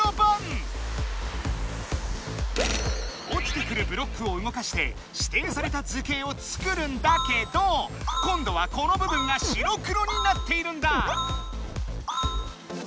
おちてくるブロックをうごかしてしていされた図形を作るんだけど今度はこの部分が白黒になっているんだ！